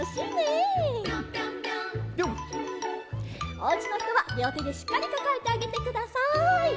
おうちのひとはりょうてでしっかりかかえてあげてください。